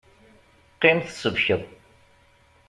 Qqim tsebkeḍ!